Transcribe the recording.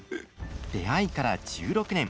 出会いから１６年。